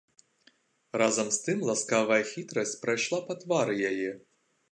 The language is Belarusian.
Разам з тым ласкавая хітрасць прайшла па твары яе.